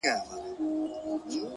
افرين ترکی ځوانه